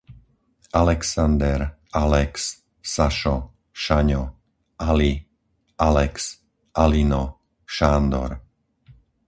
Alexander, Alex, Sašo, Šaňo, Ali, Alex, Alino, Šándor